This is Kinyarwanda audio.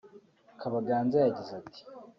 Kabaganza yagize ati